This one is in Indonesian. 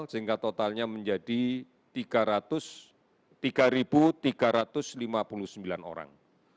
sehingga totalnya menjadi tiga tiga ratus lima puluh sembilan orang